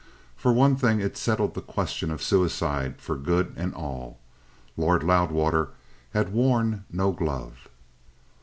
For one thing, it settled the question of suicide for good and all. Lord Loudwater had worn no glove.